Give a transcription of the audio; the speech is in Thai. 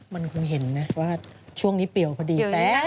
มันคงเห็นเนี่ยว่าช่วงนี้เปรี่ยวพอดี